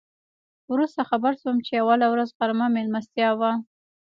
وروسته خبر شوم چې اوله ورځ غرمه میلمستیا وه.